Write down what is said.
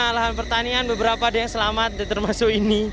lahan pertanian beberapa ada yang selamat termasuk ini